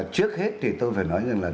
trước hết thì tôi phải nói rằng là